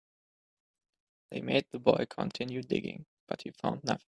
They made the boy continue digging, but he found nothing.